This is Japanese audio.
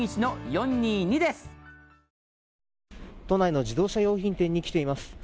都内の自動車用品店に来ています。